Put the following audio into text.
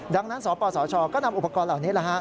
ดังนั้นสปสชก็นำอุปกรณ์เหล่านี้